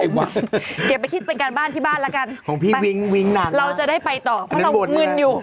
อย่าไปคิดเป็นการบ้านที่บ้านแล้วกันเราจะได้ไปต่อเพราะเรามืนอยู่